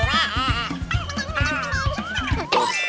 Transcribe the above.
อ่าอ่าอ่า